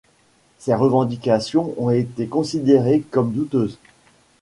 Ces revendications ont été considérées comme douteuses.